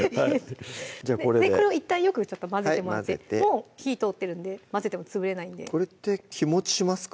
じゃあこれでこれをいったんよく混ぜてもらってもう火通ってるんで混ぜても潰れないんでこれって日持ちしますか？